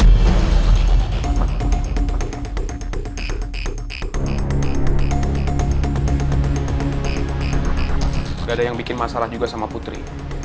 tidak ada yang bikin masalah juga sama putri